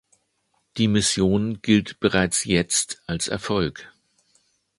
Die Mission gilt bereits jetzt als Erfolg.